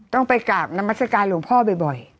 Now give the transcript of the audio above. ต้องไปกาบนมตรกาลบ่อย